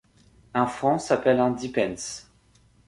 Un franc s’appelle un « dix pence ».